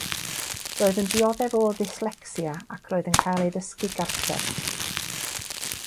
Roedd yn dioddef o ddyslecsia ac roedd yn cael ei dysgu gartref.